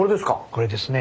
これですね。